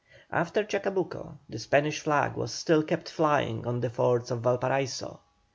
After Chacabuco the Spanish flag was still kept flying on the forts of Valparaiso.